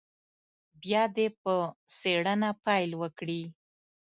بیا دې په څېړنه پیل وکړي.